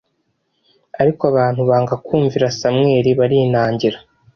Ariko abantu banga kumvira Samweli barinagira